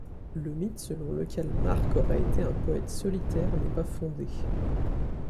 Le mythe selon lequel March aurait été un poète solitaire n'est pas fondé.